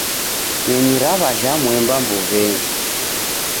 Nyonyi raw'ajha mwemba mbuw'enyi.